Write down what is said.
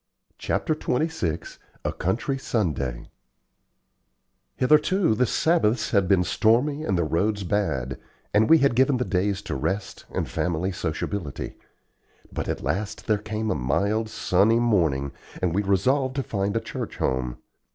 CHAPTER XXVI A COUNTRY SUNDAY Hitherto the Sabbaths had been stormy and the roads bad, and we had given the days to rest and family sociability. But at last there came a mild, sunny morning, and we resolved to find a church home.